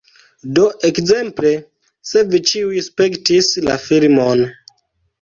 Do, ekzemple, se vi ĉiuj spektis la filmon